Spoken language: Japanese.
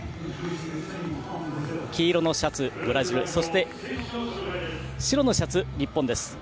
黄色のシャツ、ブラジルそして白のシャツ、日本です。